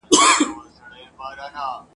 هغه ښکار وو د ده غار ته ورغلی..